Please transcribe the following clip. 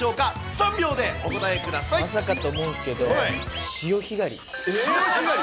３秒でお答えくまさかと思うんですけど、潮干狩り。潮干狩り？